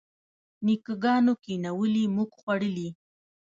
نیکه ګانو کینولي موږ خوړلي.